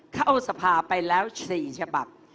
เข้าสภาไปแล้ว๔ฉบับ